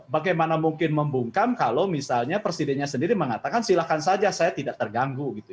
bagaimana mungkin membungkam kalau misalnya presidennya sendiri mengatakan silahkan saja saya tidak terganggu gitu